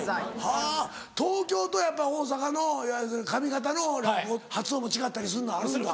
はぁ東京とやっぱ大阪の上方の落語発音も違ったりすんのあるんだ。